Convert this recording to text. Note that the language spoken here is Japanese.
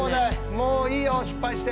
もういいよ、失敗して。